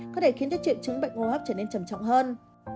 có thể khiến cho triệu chứng bệnh hô hấp trở nên trầm trọng hơn